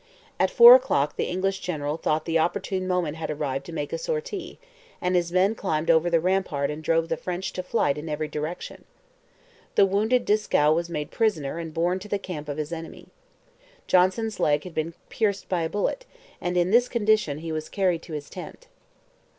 At four o'clock the English general thought the opportune moment had arrived to make a sortie, and his men climbed over the rampart and drove the French to flight in every direction. The wounded Dieskau was made prisoner and borne to the camp of his enemy. Johnson's leg had been pierced by a bullet, and in this condition he was carried to his tent.